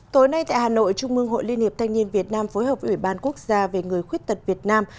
tối nay tại hà nội trung mương hội liên hiệp thanh niên việt nam phối hợp với ủy ban quốc gia về người khuyết tật việt nam